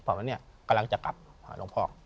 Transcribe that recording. กำลังจะกลับหาลงพรรค